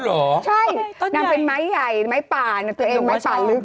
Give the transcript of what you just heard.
เหรอใช่นางเป็นไม้ใหญ่ไม้ป่าน่ะตัวเองไม้ป่าลึก